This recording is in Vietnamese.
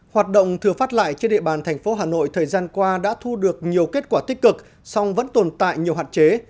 hoạt động thừa phát lại trên địa bàn thành phố hà nội thời gian qua đã thu được nhiều kết quả tích cực song vẫn tồn tại nhiều hạn chế